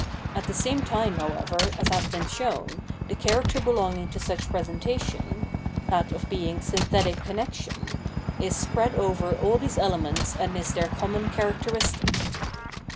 At the same time however, as has been shown, the character belonging to such presentation — ^that of being " synthetic con nexion "— ^is spread over all these elements and is their common characteristic.